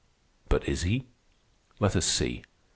But is he? Let us see.